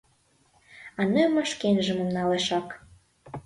А нойымо шкенжыным налешак!